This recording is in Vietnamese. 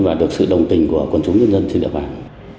và được sự đồng tình của quân chúng nhân dân trên địa bàn